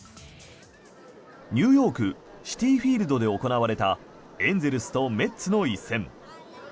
ニューヨークシティ・フィールドで行われたエンゼルスとメッツの一戦。